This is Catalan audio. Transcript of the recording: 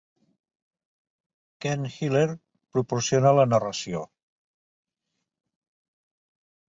Ken Hiller proporciona la narració.